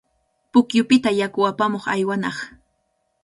Pukyupita yaku apamuq aywanaq.